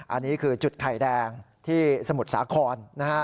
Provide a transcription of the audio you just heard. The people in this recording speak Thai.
อันนี้คือจุดไข่แดงที่สมุทรสาครนะฮะ